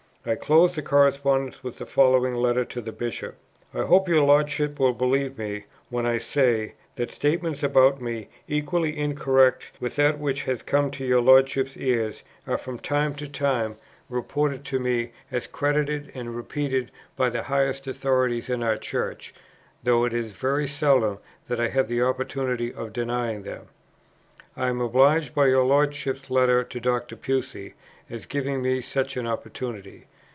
I closed the correspondence with the following Letter to the Bishop: "I hope your Lordship will believe me when I say, that statements about me, equally incorrect with that which has come to your Lordship's ears, are from time to time reported to me as credited and repeated by the highest authorities in our Church, though it is very seldom that I have the opportunity of denying them. I am obliged by your Lordship's letter to Dr. Pusey as giving me such an opportunity."